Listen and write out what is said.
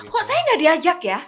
kok saya gak diajak ya